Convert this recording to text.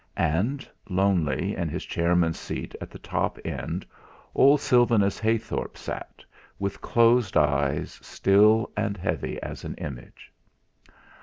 And, lonely, in his chairman's seat at the top end old Sylvanus Heythorp sat, with closed eyes, still and heavy as an image.